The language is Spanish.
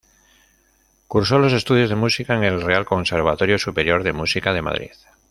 Cursó los estudios de música en el Real Conservatorio Superior de Música de Madrid.